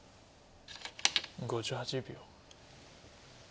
５８秒。